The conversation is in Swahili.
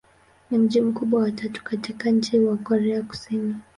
Ni mji mkubwa wa tatu katika nchi wa Korea Kusini.